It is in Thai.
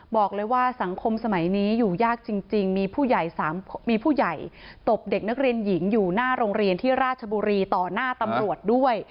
บอกเลยว่าสังคมสมัยนี้อยู่ยากจริงมีผู้ใหญ่มีผู้ใหญ่ตบเด็กนักเรียนหญิงอยู่หน้าโรงเรียนที่ราชบุรีต่อหน้าตำรวจด้วย